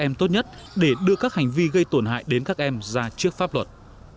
các em tốt nhất để đưa các hành vi gây tổn hại đến các em ra trước pháp luật